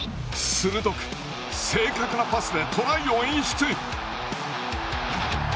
鋭く正確なパスでトライを演出。